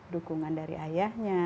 dukungan dari ayahnya